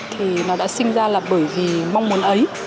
thì nó đã sinh ra là bởi vì mong muốn ấy